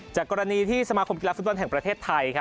จากกรณีที่สมาคมกีฬาฟุตบอลแห่งประเทศไทย